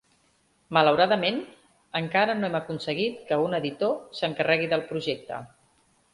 Malauradament, encara no hem aconseguit que un editor s'encarregui del projecte.